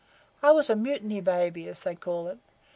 I was a Mutiny baby, as they call it.